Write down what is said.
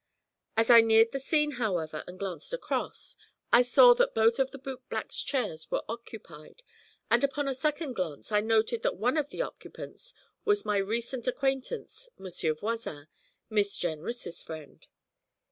As I neared the scene, however, and glanced across, I saw that both of the bootblack's chairs were occupied, and upon a second glance I noted that one of the occupants was my recent acquaintance, Monsieur Voisin, Miss Jenrys' friend.